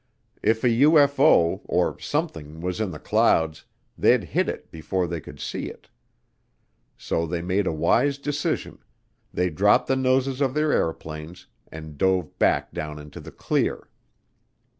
If a UFO, or something, was in the clouds, they'd hit it before they could see it. So they made a wise decision; they dropped the noses of their airplanes and dove back down into the clear.